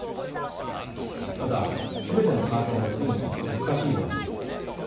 ただ、すべての感染を防ぐのは難しいのは事実です。